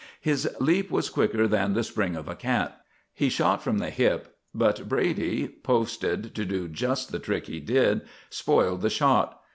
His leap was quicker than the spring of a cat. He shot from the hip, but Brady, posted to do just the trick he did, spoiled the shot.